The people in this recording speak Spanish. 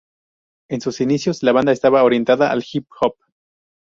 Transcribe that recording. En sus inicios, la banda estaba orientada al hip hop.